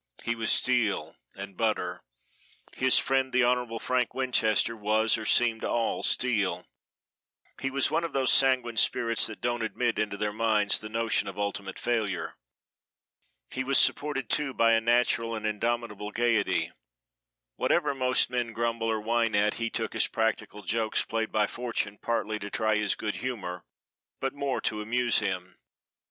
He was steel and butter. His friend, the honorable Frank Winchester, was or seemed all steel. He was one of those sanguine spirits that don't admit into their minds the notion of ultimate failure. He was supported, too, by a natural and indomitable gayety. Whatever most men grumble or whine at he took as practical jokes played by Fortune partly to try his good humor, but more to amuse him.